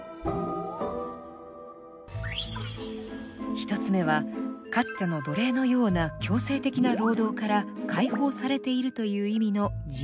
１つ目はかつての奴隷のような強制的な労働から解放されているという意味の自由。